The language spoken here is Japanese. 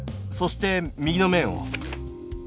そして右の面を。